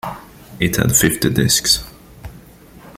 It had fifty disks.